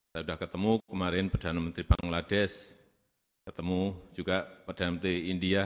saya sudah ketemu kemarin perdana menteri bangladesh ketemu juga perdana menteri india